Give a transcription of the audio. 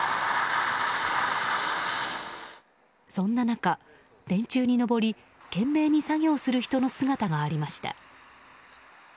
そんな中、電柱に登り懸命に作業する人の姿がありました。